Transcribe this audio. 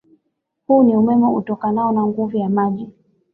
Huu ni umeme utokanao na nguvu ya maji